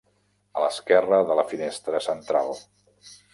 A l'esquerra de la finestra central: